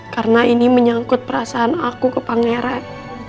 karena ini menyangkut perasaan aku ke pangeran